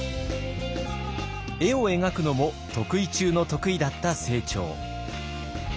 絵を描くのも得意中の得意だった清張。